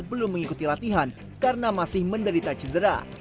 belum mengikuti latihan karena masih menderita cedera